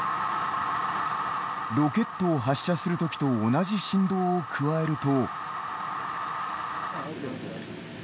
ロケットを発射する時と同じ振動を加えると。